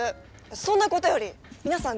そんなことより皆さん